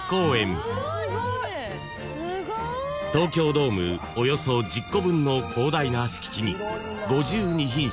［東京ドームおよそ１０個分の広大な敷地に５２品種